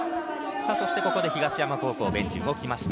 そして、ここで東山高校ベンチが動きました。